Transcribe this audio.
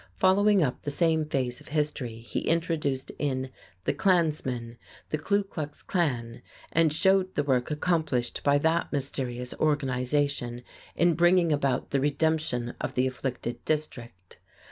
Following up the same phase of history, he introduced, in "The Clansman," the Kluklux Klan, and showed the work accomplished by that mysterious organization in bringing about the redemption of the afflicted district.